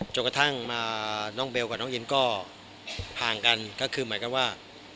จนกระทั่งมาน้องเบลกับน้องอินก็ห่างกันก็คือเหมือนกับว่า